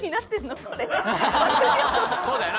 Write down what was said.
そうだよな。